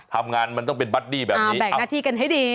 ทำงานมันต้องเป็นบัดดี้แบบนี้แบ่งหน้าที่กันให้ดี